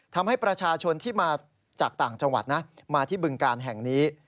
ทำให้ประชาชนที่มาจากต่างจังหวัดนะมาที่บึงการแห่งนี้